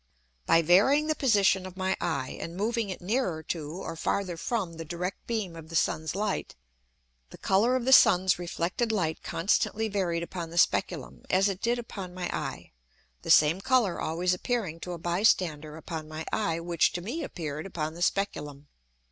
By varying the position of my Eye, and moving it nearer to or farther from the direct beam of the Sun's Light, the Colour of the Sun's reflected Light constantly varied upon the Speculum, as it did upon my Eye, the same Colour always appearing to a Bystander upon my Eye which to me appear'd upon the Speculum.